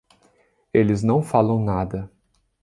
Eles não falam nada.